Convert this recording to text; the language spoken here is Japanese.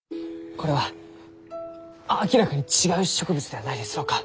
これは明らかに違う植物ではないですろうか？